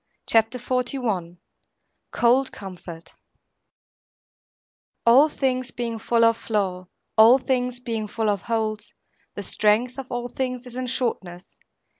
CHAPTER XLI COLD COMFORT All things being full of flaw, all things being full of holes, the strength of all things is in shortness.